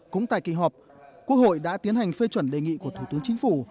cũng tại kỳ họp quốc hội đã tiến hành phê chuẩn đề nghị của thủ tướng chính phủ